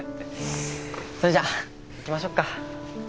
それじゃあ行きましょうか。